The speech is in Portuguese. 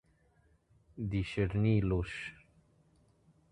discerni-los